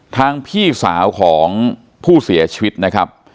พี่สาวของผู้เสียชีวิตนะครับ